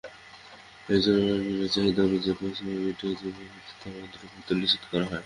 এজন্য রণবীরের চাহিদা অনুযায়ী পারিশ্রমিক মিটিয়ে বিজ্ঞাপনচিত্রটিতে তাঁর অন্তর্ভুক্তি নিশ্চিত করা হয়।